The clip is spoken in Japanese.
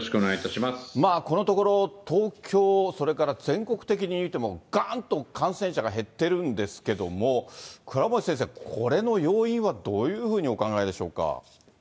まあこのところ、東京、それから全国的に見てもがんと感染者が減ってるんですけども、倉持先生、これの要因はどういうふうにお考えでしょうか。